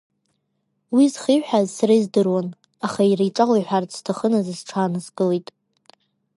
Уи зхиҳәааз сара издыруан, аха иара иҿала иҳәарц сҭахын азын сҽааныскылеит.